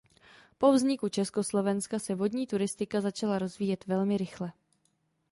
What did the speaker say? Po vzniku Československa se vodní turistika začala rozvíjet velmi rychle.